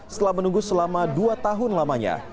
setelah menunggu selama dua tahun lamanya